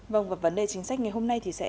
vâng và vấn đề chính sách ngày hôm nay thì sẽ